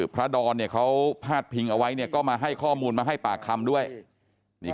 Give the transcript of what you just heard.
ดอนเนี่ยเขาพาดพิงเอาไว้เนี่ยก็มาให้ข้อมูลมาให้ปากคำด้วยนี่